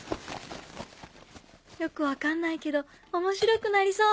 よく分かんないけど面白くなりそう。